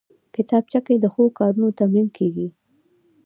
کتابچه کې د ښو کارونو تمرین کېږي